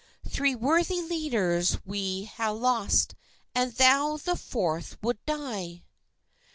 Three worthy leaders we ha'e lost, And thou the forth wou'd lie.